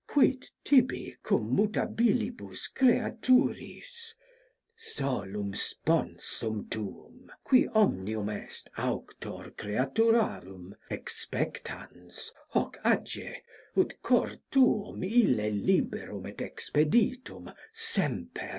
Quid tibi cum mutabilibus creaturis? Solum sponsum tuum, qui omnium est author creaturarum, expectans, hoc age, ut cor tuum ille liberum et expeditum sem THE REV.